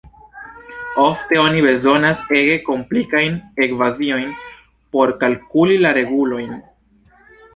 Ofte oni bezonas ege komplikajn ekvaciojn por kalkuli la regulojn.